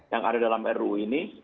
yang ada dalam ru ini